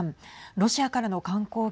ロシアからの観光客